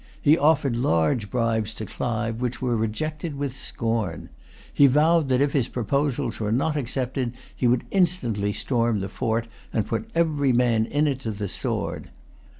He offered large bribes to Clive, which were rejected with scorn. He vowed that, if his proposals were not accepted, he would instantly storm the fort, and put every man in it to the sword.